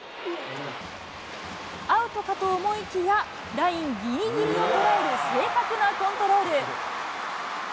アウトかと思いきや、ラインぎりぎりを捉える正確なコントロール。